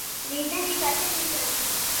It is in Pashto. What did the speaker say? لیدنې کتنې کوي.